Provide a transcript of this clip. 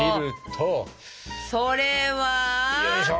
それは？よいしょ。